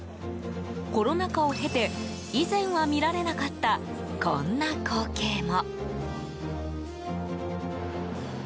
コロナ禍を経て以前は見られなかったこんな光景も。